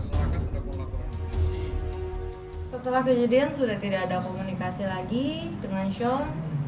setelah kejadian sudah tidak ada komunikasi lagi dengan show